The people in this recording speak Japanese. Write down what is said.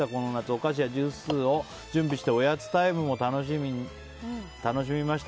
お菓子やジュースを準備しておやつタイムを楽しみました。